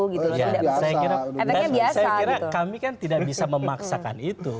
jadi kami memaksakan itu tapi kami tidak bisa memaksakan itu